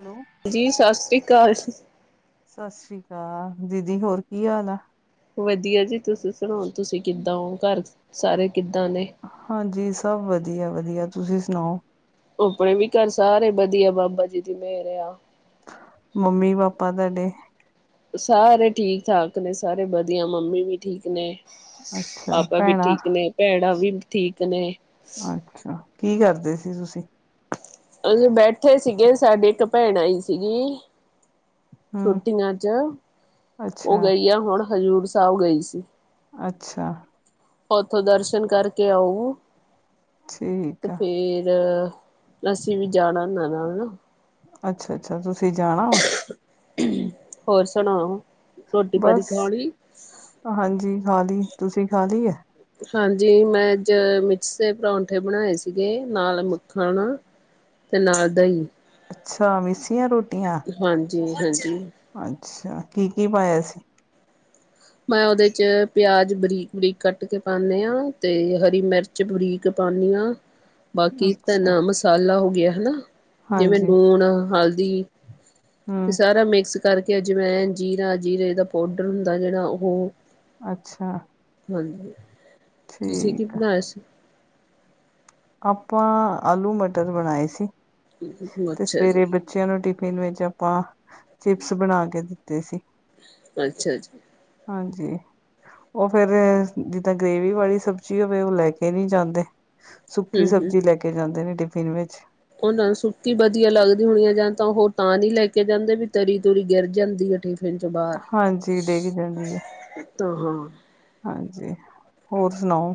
Hello, ਜੀ ਸਤਿ ਸ੍ਰੀ ਅਕਾਲ, ਸਤਿ ਸ੍ਰੀ ਅਕਾਲ, ਦੀਦੀ ਹੋਰ ਕੀ ਹਾਲ ਆ। ਵਧੀਆ ਜੀ ਤੁਸੀਂ ਸੁਣਾਓ ਤੁਸੀਂ ਕਿੱਦਾਂ ਹੋ ਘਰ ਸਾਰੇ ਕਿੱਦਾਂ ਨੇ। ਹਾਂਜੀ ਸਭ ਵਧੀਆ-ਵਧੀਆ ਤੁਸੀਂ ਸੁਣਾਓ। ਆਪਣੇ ਵੀ ਘਰ ਸਾਰੇ ਵਧੀਆ ਬਾਬਾ ਜੀ ਦੀ ਮੇਰ ਆ। ਮੰਮੀ ਪਾਪਾ ਤੁਹਾਡੇ, ਸਾਰੇ ਠੀਕ-ਠਾਕ ਨੇ, ਸਾਰੇ ਵਧੀਆ, ਮੰਮੀ ਵੀ ਠੀਕ ਨੇ, ਅੱਛਾ ਪਾਪਾ ਵੀ ਭੈਣਾਂ ਠੀਕ ਨੇ, ਭੈਣਾਂ ਵੀ ਠੀਕ ਨੇ, ਅੱਛਾ, ਕੀ ਕਰਦੇ ਸੀ ਤੁਸੀਂ? ਅਸੀਂ ਬੈਠੇ ਸੀਗੇ, ਸਾਡੀ ਇੱਕ ਭੈਣ ਆਈ ਸੀਗੀ, ਹੂੰ ਛੁੱਟੀਆਂ ਚ, ਉਹ ਅੱਛਾ ਗਈ ਆ, ਹੁਣ ਹਜ਼ੂਰ ਸਾਹਿਬ ਗਈ ਸੀ, ਅੱਛਾ। ਉੱਥੋਂ ਦਰਸ਼ਨ ਕਰਕੇ ਆਊ, ਤੇ ਠੀਕ ਆ। ਫੇਰ ਅਸੀਂ ਵੀ ਜਾਣਾ, ਊਨਾਂ ਨਾਲ ਨਾ। ਅੱਛਾ-ਅੱਛਾ ਤੁਸੀਂ ਜਾਣਾ ਵ? ਹੋਰ ਸੁਣਾਉ, ਬਸ ਹਾਂਜੀ ਖਾ ਲਈ, ਤੁਸੀਂ ਖਾ ਲਈ ਹੈ? ਹਾਂਜੀ ਮੈਂ ਅੱਜ ਮਿੱਸੇ ਪਰੌਂਠੇ ਬਣਾਏ ਸੀਗੇ, ਨਾਲ ਮੱਖਣ ਤੇ ਨਾਲ ਦਹੀਂ। ਅੱਛਾ, ਮਿਸੀਆਂ ਰੋਟੀ ਹਾਂਜੀ-ਹਾਂਜੀ ਅੱਛਾ ਕੀ-ਕੀ ਪਾਇਆ ਸੀ? ਮੈਂ ਉਹਦੇ 'ਚ ਪਿਆਜ਼ ਬਰੀਕ-ਬਰੀਕ ਕੱਟ ਕੇ ਪਾਉਂਦੇ ਹਾਂ, ਤੇ ਹਰੀ ਮਿਰਚ ਬਰੀਕ ਪਾਉਂਦੀ ਹਾਂ। ਹ [unintelligible] ਬਾਕੀ ਧਨਾ ਮਸਾਲਾ ਹੋ ਗਿਆ ਹੈ ਨਾ, ਜਿਵੇਂ ਹਾਂਜੀ ਲੂਣ ਹਲਦੀ? ਇਹ ਹੂੰ ਸਾਰਾ ਮਿਕਸ ਕਰਕੇ ਅੱਜਵੈਨ, ਜੀਰਾ-ਜੀਰੇ ਦਾ ਪਾਊਡਰ ਹੁੰਦਾ, ਜਿਹੜਾ ਉਹ ਅੱਛਾ। ਹਾਂਜੀ, ਤੁਸੀਂ ਕੀ ਠੀਕ ਆ। ਬਣਾਇਆ ਸੀ? ਆਪਾਂ ਆਲੂ ਮਟਰ ਬਣਾਏ ਸੀ, ਤੇ ਅੱਛਾ ਜੀ ਸਵੇਰੇ ਬੱਚਿਆਂ ਨੂੰ ਟਿਫਿਨ ਵਿੱਚ ਆਪਾਂ, ਚਿਪਸ ਬਣਾ ਕੇ ਦਿੱਤੇ ਸੀ। ਅੱਛਾ ਅੱਛਾ ਹਾਂਜੀ। ਉਹ ਫੇਰ ਜਿੱਦਾਂ ਗ੍ਰੇਵੀ ਵਾਲੀ ਸਬਜ਼ੀ ਹੋਵੇ, ਉਹ ਲੈ ਕੇ ਨਹੀਂ ਜਾਂਦੇ। ਸੁੱਕੀ ਹਮ ਹਮ ਸਬਜ਼ੀ ਲੈ ਕੇ ਜਾਂਦੇ ਨੇ ਟਿਫਿਨ ਵਿੱਚ। ਉਹਨਾਂ ਨੂੰ ਸੁੱਕੀ ਵਧੀਆ ਲੱਗਦੀ ਹੋਣੀ ਹੈ, ਜਾਂ ਤਾਂ ਹੋਰ ਤਾਂ ਨਹੀਂ ਲੈ ਕੇ ਜਾਂਦੇ ਵੀ ਤਰੀ ਤੂਰੀ ਗਿਰ ਜਾਂਦੀ ਹੈਠੇ। [unintelligible] ਹਾਂਜੀ ਡਿੱਗ ਜਾਂਦੀ ਹੈ ਹਾਂਜੀ ਹੋਰ ਸੁਣਾਓ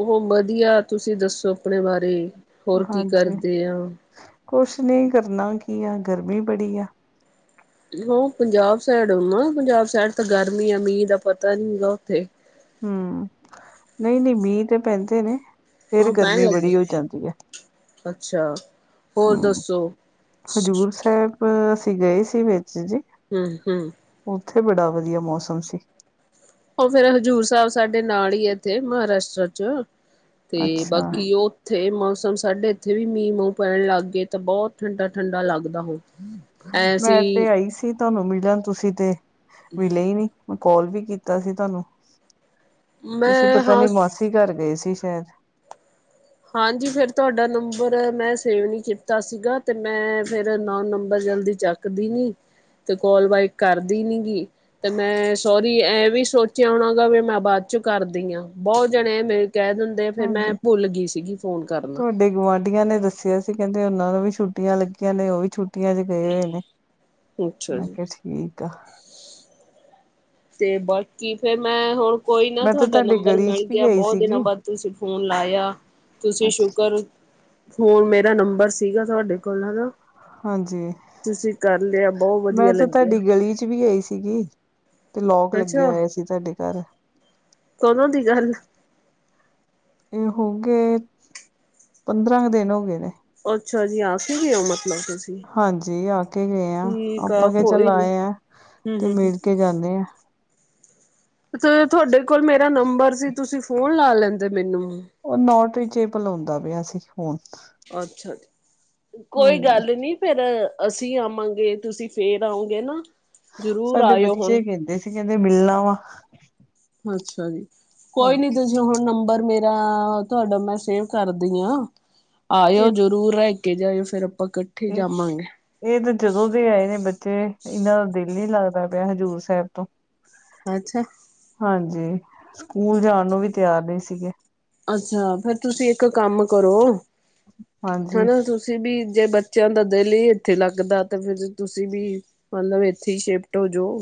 ਉਹ ਵਧੀਆ, ਤੁਸੀਂ ਦੱਸੋ ਆਪਣੇ ਬਾਰੇ ਹੋਰ ਕੀ ਹਾਂਜੀ, ਕਰਦੇ ਆ ਕੁਛ ਨਹੀਂ, ਕਰਨਾ ਕੀ ਆ ਗਰਮੀ ਬੜੀ ਆ ਔਹ ਪੰਜਾਬ ਸਾਈਡ ਔ ਨਾ, ਪੰਜਾਬ ਸਾਈਡ ਤਾਂ ਗਰਮੀ ਐ, ਮੀਂਹ ਦਾ ਪਤਾ ਨੀ ਹੈਗਾ ਉੱਥੇ ਹੂ, ਨਹੀਂ-ਨਹੀਂ ਮੀਂਹ ਤੇ ਪੈਂਦੇ ਨੇ, ਫੇਰ ਉਹ ਪੈਣ ਗਰਮੀ ਲੱਗੇ ਬੜੀ ਹੋ ਜਾਂਦੀ ਹੈ। ਅੱਛਾ ਹੋਰ ਹੂ ਦੱਸੋ ਹਜ਼ੂਰ ਸਾਹਿਬ ਅਸੀਂ ਗਏ ਸੀ, ਵਿੱਚ ਜੀ ਹੂ ਹੂ ਉੱਥੇ ਬੜਾ ਵਧੀਆ ਮੌਸਮ ਸੀ। ਉਹ ਫੇਰ ਹਜ਼ੂਰ ਸਾਹਿਬ ਸਾਡੇ ਨਾਲ ਹੀ ਆ ਇੱਥੇ, ਮਹਾਰਾਸ਼ਟਰ ਚ' ਤੇ ਅੱਛਾ ਬਾਕੀ ਉਹ ਇੱਥੇ ਮੌਸਮ ਸਾਡੇ ਇੱਥੇ ਵੀ ਮੀਂਹ ਮੂੰਹ ਪੈਣ ਲੱਗ ਗਏ ਤਾਂ ਬਹੁਤ ਠੰਡਾ-ਠੰਡਾ ਲੱਗਦਾ ਹੋ। ਮੈਂ ਤੇ ਐਸੀਂ ਆਈ ਸੀ ਤੁਹਾਨੂੰ ਮਿਲਣ ਤੁਸੀ ਤੇ ਮਿਲੇ ਹੀ ਨਹੀ। ਕਾਲ ਵੀ ਕੀਤਾ ਸੀ ਤੁਹਾਨੂੰ ਤੁਸੀ ਮੈਂ ਪਤਾ ਹਾਂ ਨੀ ਮਾਸੀ ਘਰ ਗਏ ਸੀ ਸ਼ਾਇਦ ਹਾਂਜੀ ਫਿਰ ਤੁਹਾਡਾ ਨੰਬਰ ਮੈਂ ਸੇਵ ਨਹੀਂ ਕੀਤਾ ਸੀਗਾ। ਤੇ ਮੈਂ ਫੇਰ ਨੋਨ ਨੰਬਰ ਜਲਦੀ ਚੱਕਦੀ ਨੀ ਤੇ ਕੋਲ ਬੇਕ ਕਰਦੀ ਨੀ ਗੀ। ਤੇ ਮੈਂ ਸੋਰ ਇਹ ਵੀ ਸੋਚਿਆ ਹੋਣਾ ਗਾ, ਵੀ ਮੈਂ ਬਾਅਦ ਚੋਂ' ਕਰਦੀ ਹਾਂ, ਬਹੁਤ ਜਣੇ ਐਵੇ ਕਹਿ ਦੇਣ ਤੇ ਫਿਰ ਮੈਂ ਹਾਂਜੀ ਭੁੱਲ ਗਈ ਸੀ। ਤੁਹਾਡੇ ਗੁਆਂਢੀਆਂ ਨੇ ਦੱਸਿਆ ਸੀ। ਕਹਿੰਦੇ ਉਹਨਾਂ ਨੂੰ ਵੀ ਛੁੱਟੀਆਂ ਲੱਗੀਆਂ ਨੇ ਉਹ ਵੀ ਛੁੱਟੀਆਂ 'ਚ ਗਏ ਹੋਏ ਨੇ ਅੱਛਾ ਮੈਂ ਜੀ ਕਿਹਾ ਠੀਕ ਆ। ਤੇ ਬਾਕੀ ਫੇਰ ਮੈਂ ਹੁਣ ਕੋਈ ਨਾ ਮੈਂ ਤਾਂ ਤੁਹਾਡਾ ਤੁਹਾਡੀ ਨੰਬਰ ਗਲੀ 'ਚ ਮਿਲ ਵੀ ਗਿਆ ਗਈ ਬਹੁਤ ਸੀਗੀ ਦਿਨਾਂ ਬਾਅਦ ਤੁਸੀਂ ਫੋਨ ਲਾਇਆ। ਤੁਸੀ ਅੱਛਾ ਸ਼ੁਕਰ ਫੋਨ ਮੇਰਾ ਨੰਬਰ ਸੀਗਾ ਤੁਹਾਡੇ ਕੋਲ ਹੈ ਹਨਾ। ਹਾਂਜੀ ਤੁਸੀ ਕਰ ਲਿਆ ਬਹੁ ਮੈਂ ਵਧੀਆ ਤਾਂ ਲੱਗਿਆ। ਕਿ ਲੋਕ ਅੱਛਾ ਲੱਗਿਆ ਹੋਇਆ ਸੀ ਤੁਹਾਡੇ ਘਰ ਕਦੋਂ ਦੀ ਗੱਲ ਇਹ ਹੋ ਗਏ ਪੰਦਰਾਂ ਕੁ ਦਿਨ ਹੋ ਗਏ ਨੇ। ਅੱਛਾ ਜੀ ਆ ਕਿ ਗਏ ਹੋ ਮਤਲਬ ਕਿ ਹਾਂਜੀ ਆ ਕੇ ਗਏ ਹਾਂ ਆ ਆਪਾਂ ਕਿ ਚੱਲ ਕੋਈ ਨੀ ਆਏ ਹ ਹੂੰ ਤੇ ਹੂੰ ਹੂੰ, ਮਿਲ ਕੇ ਜਾਂਦੇ ਆਂ। ਤੇ ਤੁਹਾਡੇ ਕੋਲ ਮੇਰਾ ਨੰਬਰ ਸੀ ਤੁਸੀਂ ਫੋਨ ਲਾ ਲੈਂਦੇ ਮੈਨੂੰ ਉਹ ਨੋਟ ਰੀਚੇਬਲ ਹੁੰਦਾ ਪਿਆ ਸੀ ਫੋਨ ਅੱਛਾ ਜੀ ਕੋਈ ਹਾਂਜੀ। ਗੱਲ ਨੀ। ਫੇਰ ਅਸੀ ਆਵਾਂਗੇ ਤੁਸੀਂ ਫੇਰ ਆਓਗੇ ਨਾ ਜ਼ਰੂਰ ਆਇਓ ਹੁਣ ਏ ਕਹਿੰਦੇ ਮਿਲਣਾ ਵਾ ਅੱਛਾ ਜੀ ਕੋਈ ਨੀ ਇਹ ਤੁਸ ਤੇ ਹੁਣ ਨੰਬਰ ਮੇਰਾ ਤੁਹਾਡਾ ਮੈਂ ਸੇਵ ਕਰਦੀ ਹਾਂ ਆਇਓ ਜਰੂਰ ਕੇ ਜਾਇਓ ਫੇਰ ਆਪਾਂ ਇਕੱਠੇ ਇਹ ਜਾਵਾਂਗੇ। ਇਹ ਤੇ ਜਦੋਂ ਦੇ ਆਏ ਨੇ ਬੱਚੇ ਇਹਨਾਂ ਦਾ ਦਿਲ ਨੀ ਲੱਗਦਾ ਪਿਆ ਹਜ਼ੂਰ ਸਾਹਿਬ ਤੋਂ ਅੱਛਾ ਹਾਂਜੀ ਸਕੂਲ ਜਾਣ ਨੂੰ ਵੀ ਤਿਆਰ ਨਹੀਂ ਸੀਗੇ। ਅੱਛਾ ਫੇਰ ਤੁਸੀਂ ਇੱਕ ਕੰਮ ਕਰੋ ਹਾਂਜੀ। ਹਨਾ ਤੁਸੀ ਤੁਸੀ ਵੀ ਜੇ ਬੱਚਿਆਂ ਦਾ ਦਿਲ ਹੀ ਇੱਥੇ ਲੱਗਦਾ ਤੇ ਫੇਰ ਤੁਸੀ ਵੀ ਮਤਲਬ ਇੱਥੇ ਹੀ ਸ਼ਿਫਟ ਹੋ ਜੋ।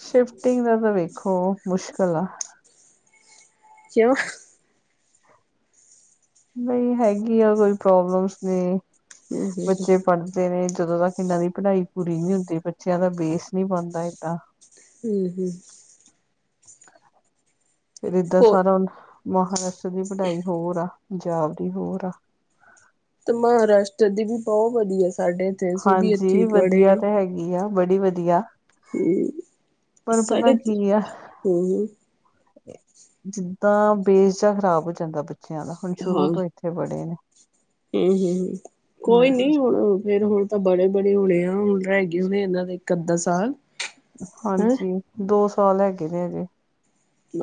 ਸ਼ਿਫਟਿੰਗ ਦਾ ਤਾਂ ਵੇਖੋ ਮੁਸ਼ਕਿਲ ਆ। ਕਿਉਂ [inaudible] ਨਹੀਂ ਹੈਗੀ ਆ ਕੋਈ ਪ੍ਰੋਬਲਮਸ ਨੇ ਹਮ ਬੱਚੇ ਪੜ੍ਹ ਨੇ ਜਦੋਂ ਤੱਕ ਇਹਨਾਂ ਦੀ ਪੜ੍ਹਾਈ ਪੂਰੀ ਨੀ ਹੁੰਦੀ ਬੱਚਿਆਂ ਦਾ ਬੇਸ ਨਹੀਂ ਬੰਦਾ ਏਦਾਂ ਹੂੰ-ਹੂੰ ਫਿਰ ਏਦਾਂ ਹੋ ਸਾਰਾ ਮਹਾਰਾਸ਼ਟਰ ਦੀ ਪੜ੍ਹਾਈ ਹੋਰ ਆ ਪੰਜਾਬ ਦੀ ਹੋਰ ਆ। ਤੇ ਮਹਾਰਾਸ਼ਟਰ ਦੀ ਵੀ ਬਹੁ ਵਧੀਆ ਸਾਡੇ ਇੱਥੇ ਅਸੀਂ ਵੀ ਇੱਥੇ ਹੀ ਹਾਂਜੀ ਪੜ੍ਹੇ ਵਧੀਆ ਤਾਂ ਹੈਗੀ ਆ ਬੜੀ ਵਧੀਆ ਹੂੰ ਪਰ ਪਤਾ ਕੀ ਆ। ਹਮ ਜਿੱਦਾਂ ਬੇਸ ਜਾ ਖਰਾਬ ਹੋ ਜਾਂਦਾ ਬੱਚਿਆਂ ਦਾ ਹੁਣ ਸ਼ੁਰੂ ਤੋਂ ਈ ਇੱਥੇ ਬੜੇ ਨੇ। ਹੂੰ-ਹੂੰ ਕੋਈ ਹਮ ਨੀ ਹੁਣ ਫੇਰ ਹੁਣ ਤਾਂ ਬੜੇ -ਬੜੇ ਹੋਣੇ ਆ ਹੁਣ ਰਹਿ ਗਏ ਹੋਣੇ ਇਹਨਾਂ ਦੇ ਇੱਕ ਅੱਧਾ ਸਾਲ ਹੈਂ ਹਾਂਜੀ ਦੋ ਸਾਲ ਹੈਗੇ ਨੇ ਅਜੇ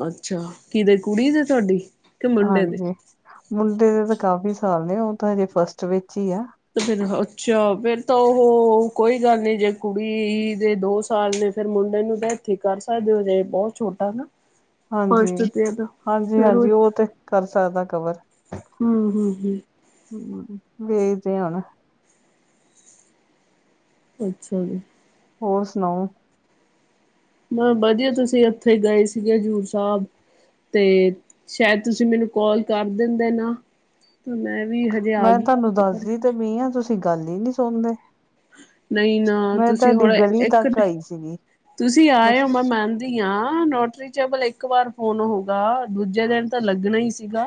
ਅੱਛਾ ਕਿਦੇ ਕੁੜੀ ਦੇ ਤੁਹਾਡੀ ਕਿ ਮੁੰਡੇ ਦੇ ਹਾਂਜੀ ਮੁੰਡੇ ਦੇ ਤਾਂ ਕਾਫੀ ਸਾਲ ਨੇ ਉਹ ਤਾਂ ਹਜੇ ਫਸਟ ਵਿੱਚ ਹੀ ਆ। ਤੇ ਫਿਰ ਅੱਛਾ ਫਿਰ ਤਾਂ ਉਹ ਕੋਈ ਗੱਲ ਨਹੀਂ ਜੇ ਕੁੜੀ ਦੇ ਦੋ ਸਾਲ ਨੇ। ਫੇਿਰ ਮੁੰਡੇ ਨੂੰ ਤਾਂ ਇੱਥੇ ਹੀ ਕਰ ਸਕਦੇ ਹੋ ਜਜੇ ਬਹੁਤ ਛੋਟਾ ਨਾ ਫਸਟ ਹਾਂਜੀ ਤੇ ਦਾ ਹਾਂਜੀ ਫਿਰ ਹਾਂਜੀ ਉਹ ਤੇ ਕਰ ਸਕਦਾ ਕਵਰ ਹਮ ਹਮ ਹਮ ਹਮ ਵੇਖਦੇ ਹ ਨਾ ਅੱਛਾ ਜੀ ਹੋਰ ਸੁਣਾਓ ਮੈਂ ਵਧੀਆ ਤੁਸੀਂ ਉੱਥੇ ਗਏ ਸੀਗੇ ਹਜ਼ੂਰ ਸਾਹਿਬ ਅਤੇ ਸ਼ਾਇਦ ਤੁਸੀਂ ਮੈਨੂੰ ਕੋਲ ਕਰ ਦਿੰਦੇ ਨਾ ਤਾਂ ਮੈਂ ਵੀ ਹਜੇ ਆ ਮੈਂ ਗਈ ਹਾਂ ਤੁਹਾਨੂੰ ਘਰੇ ਦੱਸਦੀ ਤੇ ਮ ਹਾਂ ਤੁਸੀਂ ਗੱਲ ਹੀ ਨਹੀਂੀ ਸੁਣਦੇ ਨਹੀਂ ਨਾ ਮੈਂ ਤੁਸੀਂ ਤੁਹਾਡੀ ਹਣ ਗਲੀ ਇੱਕ ਤੱਕ ਆਈ ਸੀਗੀ ਤੁਸੀਂ ਆਏ ਹੋ ਮੈਂ ਮ ਹ ਨੋਟਰੀ ਚਬਲ ਇੱਕ ਵਾਰ ਫੋਨ ਹੋ ਗ ਦੂਜੇ ਦਿਨ ਤਾਂ ਲੱਗਣਾ ਹੀ ਸੀਗਾ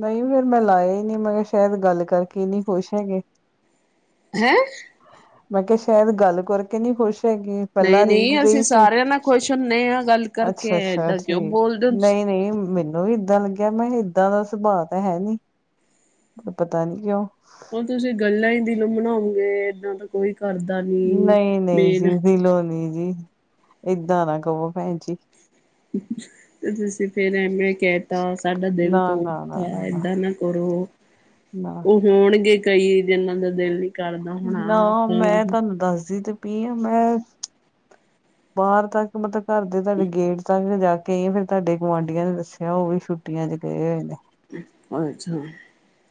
ਨਹੀਂ ਫੇਿਰ ਮੈਂ ਲਾਇਆ ਹੀ ਨਹੀਂ ਮੈਂ ਕਿਹਾ ਸ਼ਾਇਦ ਗੱਲ ਕਰਕੇ ਨਹੀਂ ਖੁਸ਼ ਹੈਗੇ ਹੈਂ ਮੈਂ ਕਿਹਾ ਸ਼ਾਇਦ ਗੱਲ ਕਰਕੇ ਨਹੀਂੀ ਖੁਸ਼ ਹੈਗੀ ਪਹਿਲਲਾ ਨਹੀਂ ਰਿੰਗ ਨਹੀਂ ਅਸੀਂ ਗਈ ਸੀ ਸਾਰਿਆਂ ਨਾਲ ਖੁਸ਼ ਹੁੰਦੇ ਹਾਂ ਗੱਲ ਕਰਕੇ ਅੱਛਾ ਅੱਛਾ ਏਦਾਂ ਕਿਉਂ ਠੀਕ ਬੋਲਦੇ ਹੋ ਤੁਸੀਂ ਨਹੀਂ ਨਹੀਂ ਮੈਨੂੰ ਮੈਨੂੰ ਵੀ ਇਏਦਾਂ ਲੱਗਿਆ ਮੈਂ ਏਦਾਂ ਦਾ ਸੁਭਾਅ ਤਾਂ ਹੈ ਨੀ ਪਤਾ ਨੀ ਕਿਉਂ ਉਹ ਤੁਸੀਂ ਗੱਲਾਂ ਹੀ ਦਿਲੋ ਮਨਾਓਗੇ ਇਏਦਾਂ ਦਾ ਕੋਈ ਕਰ ਨਹੀਂ ਨਹੀਂ ਜੀ ਦਿਲੋਂ ਨੀ ਜੀ ਏਦਾਂ ਨਾ ਕਵੋ ਭੈਣ ਜੀ ਤੇ ਤੁਸੀਂ ਫਿਰ ਐਵੇਂ ਕਹਿ ਤਾ ਸਾਡਾ ਦਿਲ ਨਾ ਤ ਨਾ ਨਾ ਏਦਾਂ ਨਾ ਕਰੋ ਨਾ ਉਹ ਹੋਣਗੇ ਕਈ ਦਿਨਾਂ ਦਾ ਦਿੱ ਲਈ ਨਾ ਮੈਂ ਤੁਹਾਨੂੰ ਦੱਸਦੀ ਤੇ ਪ ਹ ਮੈਂ ਬਾਹਰ ਤੱਕ ਮਤਲਬ ਘਰ ਦੇ ਤੁਹਾਡੇ ਗੇਟ ਤਾਂ ਜਾ ਕੇ ਫਿਰ ਤੁਹਾਡੇ ਗੁਆਂਢੀਆਂ ਨੇ ਦੱਸਿਆ ਉਹ ਵੀ ਛੁੱਟੀਆਂ ਚ ਗਏ ਹੋਏ ਨੇ ਅੱਛਾ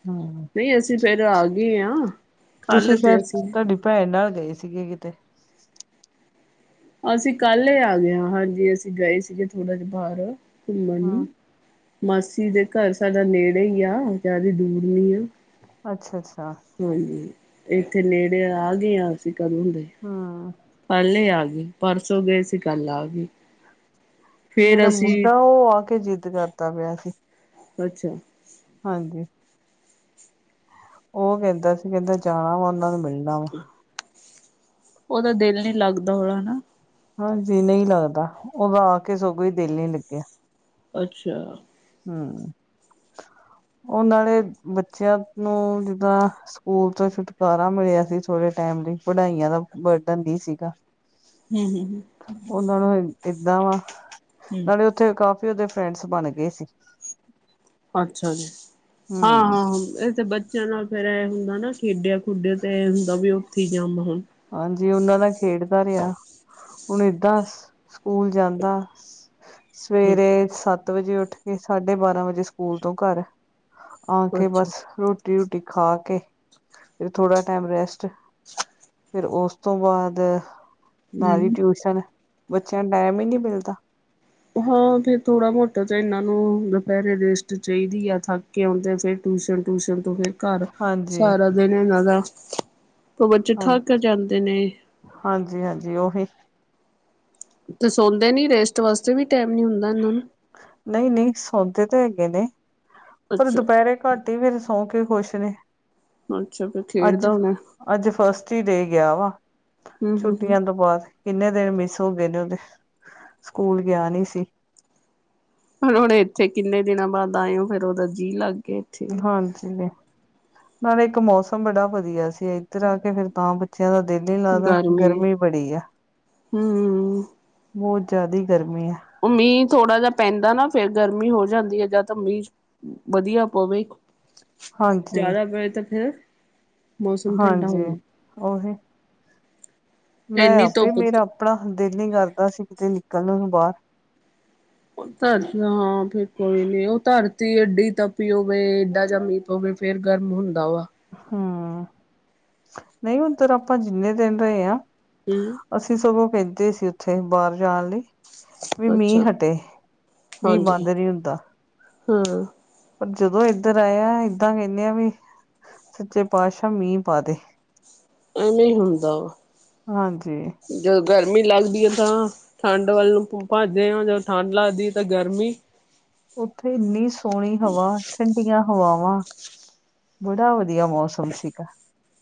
ਹਮ ਨਹੀਂ ਅਸੀਂ ਫੇਿਰ ਆ ਗਏ ਹਾਂ ਤੁਸੀਂ ਕੱਲ ਤੇ ਸ਼ਾਇਦ ਅਸੀਂ ਤੁਹਾਡੀ ਭੈਣ ਨਾਲ ਗਏ ਸੀਗੇ ਕਿਤੇ ਅਸੀਂ ਕੱਲ ਆ ਗਏ ਹ ਹਾਂਜੀ ਅਸੀਂ ਗਏ ਸੀਗੇ ਥੋੜਾ ਜਿਹਾ ਬਾਹਰ ਘੁੰਮਣ ਨੂੰ ਹੂੰ ਮਾਸੀ ਦੇ ਘਰ ਸਾਡਾ ਨੇੜੇ ਹੀ ਆ ਕਦੀ ਦੂਰ ਨੀ ਆ ਅੱਛਾ ਅੱਛਾ ਹਾਂਜੀ ਇੱਥੇ ਨੇੜੇ ਆ ਗਏ ਹਾਂ ਅਸੀਂ ਕਦੋਂ ਹੁੰਦੇ ਹਾਂ ਪਹਿਲੇ ਆ ਗਈ ਪਰਸੋਂ ਗਏ ਸੀ ਗੱਲ ਆ ਗਈ ਜਿਹੜਾ ਮੁੰਢਾ ਉਹ ਆ ਕੇ ਜਿੱਦ ਕਰਤਾ ਪਿਆ ਸੀ ਅੱਛਾ ਹਾਂਜੀ ਉਹ ਕਹਿੰਦਾ ਸੀ ਕਹਿੰਦਾ ਜਾਣਾ ਵਾ ਉਹਨਾਂ ਨੂੰ ਮਿਲਣਾ ਵਾ ਉਹਦਾ ਦਿਲ ਨਹੀਂੀ ਲੱਗਦਾ ਹੋਦਾ ਹਨਾ ਹਾਂਜੀ ਨਹੀਂ ਲੱਗਦਾ ਉਦਾ ਆ ਕੇ ਸਗੋਂ ਹੀ ਦਿਲ ਨੀ ਲੱਗਿਆ ਅੱਛਾ ਹਮ ਉਹ ਨਾਲੇ ਬੱਚਿਆਂ ਨੂੰ ਜਿੱਦਾਂ ਸਕੂਲ ਤੋਂ ਛੁਟਕਾਰਾ ਮਿਲਿਆ ਸੀ ਥੋੜੇ ਟਾਈਮ ਲਈ ਪੜ੍ਹਾਈਆਂ ਦਾ ਬਰਡਨ ਹੀ ਸੀਗਾ ਹਮ ਹਮ ਹਮ ਉਹਨਾਂ ਨੂੰ ਏਦਾਂ ਵਾ ਹੂੰ, ਨਾਲੇ ਉੱਥੇ ਕਾਫੀ ਉਹਦੇ ਫਰੈਂਡਸ ਬਣ ਗਏ ਸੀ ਅੱਛਾ ਜੀ ਹਾਂ ਹੂੰ ਹਾਂ ਇਹ ਤੇ ਬ ਨਾਲ ਫੇਰ ਇਹ ਹੁੰਦਾ ਨਾ ਖੇਡਿਆ ਖੁਡਿਆ ਤੇ ਇਹ ਹੁੰਦਾ ਵੀ ਉੱਥੇ ਹੀ ਜਾਮ ਹੁਣ ਹਾਂਜੀ ਉਹਨਾਂ ਦਾ ਖੇਡਦਾ ਰਿਹਾ ਹੁਣ ਏਦਾਂ ਸਕੂਲ ਜਾਂਦਾ ਹੂੰ ਸਵੇਰੇ ਸੱਤ ਵਜੇ ਉੱਠ ਕੇ ਸਾਢੇ ਬਾਰਾਂ ਵਜੇ ਸਕੂਲ ਤੋਂ ਘਰ ਆ ਕੇ ਅੱਛਾ ਬਸ ਰੋਟੀ ਰੂਟੀ ਖਾ ਕੇ ਫਿਰ ਥੋੜਾ ਟਾਈਮ ਰੈਸਟ ਫਿਰ ਉਸ ਤੋਂ ਬਾਅਦ ਨਾਲ ਦੀ ਹੂੰ ਟਿਊਸ਼ਨ ਬੱਚਿਆਂ ਨੂੰ ਟਾਈਮ ਹੀ ਨਹੀਂ ਮਿਲਦਾ ਹਾਂ ਫਿਰ ਥੋੜਾ ਬਹੁਤਾ ਤਾਂ ਇਹਨਾਂ ਨੂੰ ਦੁਪਹਿਰੇ ਰੇਸਟ ਚਾਹੀਦੀ ਆ ਥ ਕੇ ਆਉਂਦੇ ਫਿਰ ਟਿਊਸ਼ਨ ਟਿਊਸ਼ਨ ਤੋਂ ਫਿਰ ਘਰ ਹਾਂਜੀ ਸਾਰਾ ਦਿਨ ਇਹਨਾਂ ਦਾ ਬੱਚੇ ਹਾਂ ਥੱਕ ਕੇ ਜਾਂਦੇ ਨੇ ਹਾਂਜੀ ਹਾਂਜੀ ਉਹੀ ਤੇ ਸੌਂਦੇ ਨੀ ਰੈਸਟ ਵਾਸਤੇ ਵੀ ਟਾਈਮ ਨੀ ਹੁੰਦਾ ਇਹਨਾਂ ਨੂੰ ਨਹੀਂ ਨਹੀਂ ਸੌਦੇ ਤਾਂ ਹੈਗੇ ਨੇ ਪਰ ਅੱਛਾ ਦੁਪਹਿਰੇ ਘੱਟ ਹੀ ਫੇਰ ਸੌਂ ਕੇ ਖੁਸ਼ ਨੇ ਅੱਛਾ ਫਿਰ ਅੱਜ ਖੇਡਦਾ ਹੋਣਾ ਅੱਜ ਫਸਟ ਹੀ ਡੇ ਗਿਆ ਵਾ ਹੂੰ ਹੂੰ ਹੂੰ ਛੁੱਟੀਆਂ ਤੋਂ ਬਾਅਦ ਕਿੰਨੇ ਦਿਨ ਮਿਸ ਹੋ ਗਏ ਨੇ ਉਹਦੇ ਸਕੂਲ ਗਿਆ ਨੀ ਸੀ ਹੁਣ ਹੁਣ ਇੱਥੇ ਕਿੰਨੇ ਦਿਨਾਂ ਬਾਅਦ ਆਏ ਹੋ ਫੇਰ ਉਹਦਾ ਜੀਅ ਲੱਗ ਗਿਆ ਇੱਥੇ ਹਾਂਜੀ ਨਾਲੇ ਇੱਕ ਮੌਸਮ ਬੜਾ ਵਧੀਆ ਸੀ ਇੱਧਰ ਆ ਕੇ ਫਿਰ ਤਾਂ ਬੱਚਿਆਂ ਦਾ ਦਿਲ ਹੀ ਲੱਗਦਾ ਗਰਮੀ ਬੜੀ ਆ ਹੂੰ ਬਹੁਤ ਜ਼ਿਆਦਾ ਹੀ ਗਰਮੀ ਏ ਉਹ ਮੀਂਹ ਥੋੜਾ ਜਿਹਾ ਪੈਂਦਾ ਨਾ ਫੇਰ ਗਰਮੀ ਹੋ ਜਾਂਦੀ ਹੈ ਜ ਤਾਂ ਮੀਂਹ ਵਧੀਆ ਪਵੇ ਹਾਂਜੀ ਜ਼ਿਆਦਾ ਪਵੇ ਤਾਂ ਫਿਰ ਮੌਸਮ ਠੰਡਾ ਹੋ ਹਾਂਜੀ ਜਾ ਉਹੀ ਮੈਂ ਆਪੇ ਮੇਰਾ ਆਪਣਾ ਦਿਲ ਹੀ ਕਰਦਾ ਸੀ ਕਿਤੇ ਨਿਕਲਣ ਨੂੰ ਬਾਹਰ ਧਰਤੀ ਹਾਂ ਫੇਰ ਕੋਈ ਨੀ ਉਹ ਧਰਤੀ ਏਡੀ ਤਪੀ ਹੋਵੇ ਏਡਾ ਜਾ ਮ ਸੋਵੇ ਫਿਰ ਗਰਮ ਹੁੰਦਾ ਵਾ ਹੂੰ ਨਹੀਂ ਹੁਣ ਤੇ ਆਪਾਂ ਜਿੰਨੇ ਦਿਨ ਰਹੇ ਹਾਂ ਹੂੰ ਅਸੀਂ ਸਗੋਂ ਕਹਿੰਦੇ ਸੀ ਉੱਥੇ ਬਾਹਰ ਜਾਣ ਲਈ ਵੀ ਅੱਛਾ ਮੀਂਹ ਹਟੇ ਮੀਂਹ ਹਾਂਜੀ ਬੰਦ ਨਹੀਂ ਹੁੰਦਾ ਹਾਂ ਪਰ ਜਦੋਂ ਇਧਰ ਆਇਆ ਏਦਾਂ ਕਹਿੰਦੇ ਆ ਵੀ ਸੱਚੇ ਪਾਤਸ਼ਾਹ ਮੀਂਹ ਪਾ ਦੇ ਐਵੇਂ ਹੁੰਦਾ ਵਾ ਹਾਂਜੀ ਜਦੋਂ ਗਰਮੀ ਲੱਗਦੀ ਐ ਤਾਂ ਠੰਡ ਵੱਲ ਨੂੰ [unintelligible] ਆ ਜਦੋਂ ਠੰਡ ਲੱਗਦੀ ਤਾਂ ਗਰਮੀ ਉੱਥੇ ਇੰਨੀ ਸੋਹਣੀ ਹਵਾ ਠੰਡੀਆਂ ਹਵਾਵਾਂ ਬੜਾ ਵਧੀਆ ਮੌਸਮ ਤੁਮ ਸੀਗਾ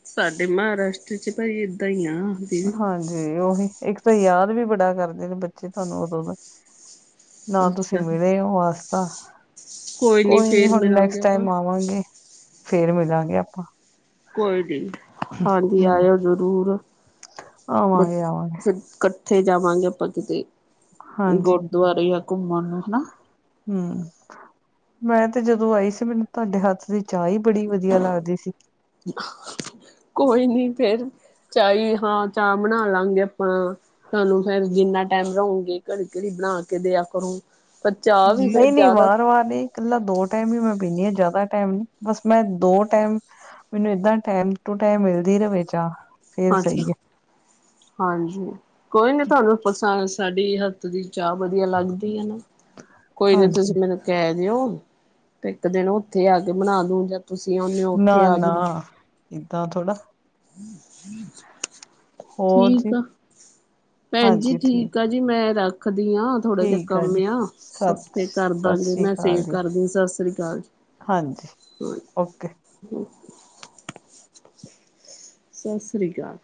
ਸਾਡੇ ਮਹਾਰਾਸ਼ਟਰ ਚ ਭਾਈ ਏਦਾਂ ਹੀ ਆ ਦੀਦੀ। ਹਾਂਜੀ ਉਹੀ ਇੱਕ ਤਾਂ ਯਾਦ ਵੀ ਬੜਾ ਕਰਦੇ ਨੇ ਬੱਚੇ ਤੁਹਾਨੂੰ ਉਦੋਂ ਦਾ ਨਾ ਤੁਸੀਂ ਅੱਛਾ ਮਿਲੇ ਹੋ ਵਾਸ ਤਾਂ ਕੋਈ ਨੀ ਫੇਰ ਹੁਣ ਮਿਲਾਂਗੇ ਨੈਕਸਟ ਆਪਾਂ ਟਾਈਮ ਆਵਾਂਗੇ ਫੇਰ ਮਿਲਾਂਗੇ ਆਪਾਂ ਕੋਈ ਨੀ ਹਾਂਜੀ ਹੂੰ ਆਇਓ ਜਰੂਰ ਆਵਾਂਗੇ ਆਵਾਂਗੇ ਇਕੱਠੇ ਜਾਵਾਂਗੇ ਆਪਾਂ ਕਿਤੇ ਹਾਂਜੀ ਗੁਰਦੁਆਰੇ ਜਾਂ ਘੁੰਮਣ ਨੂੰ ਹਨਾ ਹੂੰ ਮੈਂ ਤੇ ਜਦੋਂ ਆਈ ਸੀ ਮੈਨੂੰ ਤੁਹਾਡੇ ਹੱਥ ਦੀ ਚਾਹ ਹੀ ਬੜੀ ਵਧੀਆ ਲੱਗਦੀ ਸੀ ਕੋਈ ਨੀ ਫੇਰ ਚਾ ਹਾਂ ਚਾਹ ਬਣਾ ਲਵਾਂਗੇ ਆਪਾਂ ਤੁਹਾਨੂੰ ਫੇਰ ਜਿੰਨਾ ਟਾਈਮ ਰਉਗੇ ਘੜੀ ਘੜੀ ਬਣਾ ਕੇ ਦਿਆ ਕਰੋ ਪਰ ਚਾਹ ਵੀ ਫੇਰ ਨਹੀਂ ਨਹੀਂ [unintelligible] ਜ਼ਿਆਦਾ ਵਾਰ ਨਹੀਂ ਇਕੱਲਾ ਦੋ ਟਾਈਮ ਹੀ ਮੈਂ ਪੀਂਦੀ ਹਾਂ ਜ਼ਿਆਦਾ ਟਾਈਮ ਨੀ ਬਸ ਮੈਂ ਦੋ ਟਾਈਮ ਮੈਨੂੰ ਏਦਾਂ ਟੈਮ ਟੂ ਟਾਈਮ ਮਿਲਦੀ ਰਵੇ ਚਾ ਅੱਛਾ ਹਾਂਜੀ ਕੋਈ ਨੀ ਤੁਹਾਨੂੰ ਪਸ਼ਾਣ ਸਾਡੀ ਦੀ ਚਾਹ ਵਧੀਆ ਲੱਗਦੀ ਹੈ ਨਾ ਕੋਈ ਨੀ ਤੁਸੀਂ ਹਾਂਜੀ ਮੈਨੂੰ ਕਹਿ ਦਿਓ ਤੇ ਇੱਕ ਦਿਨ ਉੱਥੇ ਆ ਕੇ ਬਣਾ ਦੂੰ ਤੁਸੀਂ ਆਉਦੇ ਹੋ ਨਾ ਉੱਥੇ ਨਾ ਆਜਈ ਏਦਾਂ ਥੋੜਾ ਹੋਰ ਜੀ ਠੀਕ ਆ ਭੈਣ ਜ ਠੀਕ ਆ ਜੀ ਮੈਂ ਰੱਖਦੀ ਹਾਂ ਥੋੜਾ ਜਿਹਾ ਠੀਕ ਕੰਮ ਜੀ ਆ ਸ ਸਤਿ ਸਤਿ ਕਰਦਾਂਗੇ ਸ੍ਰੀ ਮੈਂ ਸੇਵ ਅਕਾਲ ਜੀ ਕਰਦੀ ਸਤਿ ਸ੍ਰੀ ਅਕਾਲ ਜੀ ਹਾਂਜੀ ਓਕੇ ਹਮ ਸਤਿ ਸ਼੍ਰੀ ਅਕਾਲ